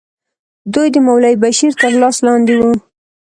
دوی د مولوي بشیر تر لاس لاندې وو.